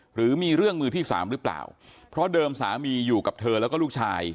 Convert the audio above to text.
หรือมีเรื่องมือที่สามหรือเปล่าเพราะเดิมสามีอยู่กับเธอแล้วก็ลูกชาย